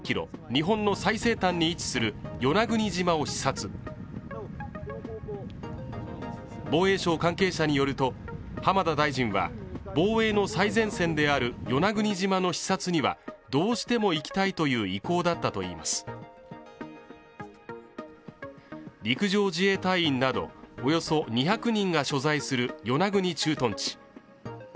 日本の最西端に位置する与那国島を視察防衛省関係者によると浜田大臣は防衛の最前線である与那国島の視察にはどうしても行きたいという意向だったといいます陸上自衛隊員などおよそ２００人が所在する与那国駐屯地